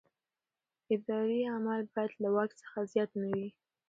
اداري عمل باید له واک څخه زیات نه وي.